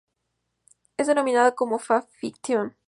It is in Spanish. Es denominada como fanfiction.